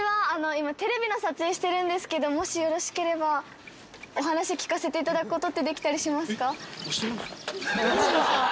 今、テレビの撮影してるんですけど、もしよろしければ、お話聞かせていただくことってできたりしますか？